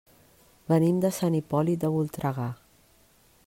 Venim de Sant Hipòlit de Voltregà.